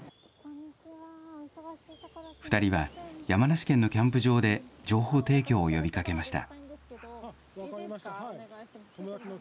２人は、山梨県のキャンプ場で情報提供を呼びかけました。